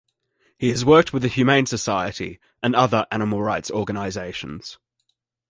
He has worked with The Humane Society and other animal rights organizations.